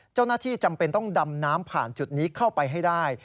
เจ้าหน้าที่จำเป็นต้องดำน้ำผ่านจุดนี้เข้าไปให้ได้